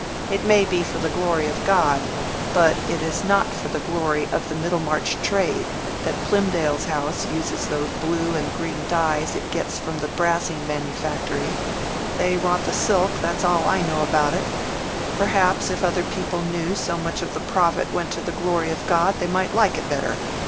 "It may be for the glory of God, but it is not for the glory of the Middlemarch trade, that Plymdale's house uses those blue and green dyes it gets from the Brassing manufactory; they rot the silk, that's all I know about it. Perhaps if other people knew so much of the profit went to the glory of God, they might like it better.